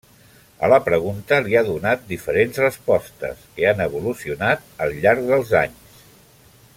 A la pregunta, li ha donat diferents respostes que han evolucionat al llarg dels anys.